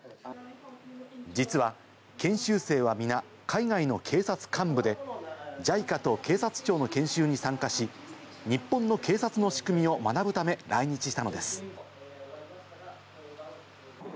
実は研修生は皆、海外の警察幹部でＪＩＣＡと警察庁の研修に参加し、日本の警察の仕組みを学ぶため来日したのです。